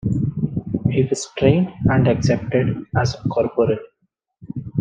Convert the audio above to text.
He was trained and accepted as a corporal.